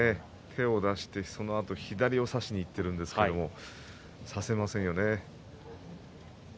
手を出して、そのあと左を差しにいっているんですけど差せませんよね。